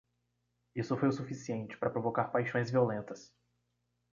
Isso foi o suficiente para provocar paixões violentas.